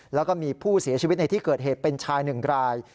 แล้วก็มีผู้เสียชีวิตในที่เกิดเหตุเป็นชายหนึ่งราย